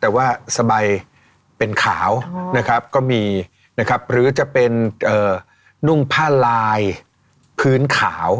แต่ว่าสบายเป็นขาวนะครับก็มีนะครับหรือจะเป็นนุ่งผ้าลายพื้นขาว